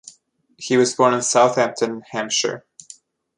He was born in Southampton, Hampshire.